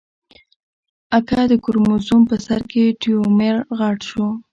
اگه د کروموزوم په سر کې ټيلومېر غټ شو.